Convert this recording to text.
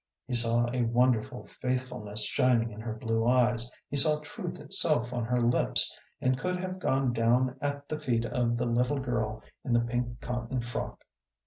He saw a wonderful faithfulness shining in her blue eyes, he saw truth itself on her lips, and could have gone down at the feet of the little girl in the pink cotton frock.